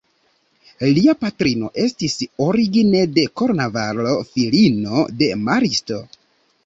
Lia patrino estis origine de Kornvalo, filino de maristo.